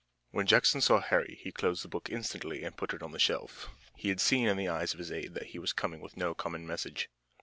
When Jackson saw Harry he closed the book instantly, and put it on the shelf. He had seen in the eyes of his aide that he was coming with no common message.